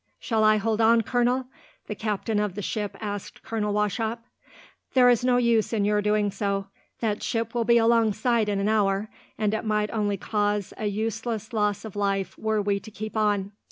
"Shall I hold on, Colonel?" the captain of the ship asked Colonel Wauchop. "There is no use in your doing so. That ship will be alongside in an hour, and it might only cause a useless loss of life were we to keep on.